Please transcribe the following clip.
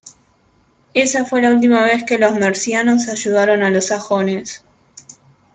Esa fue la última vez que los mercianos ayudaron a los sajones.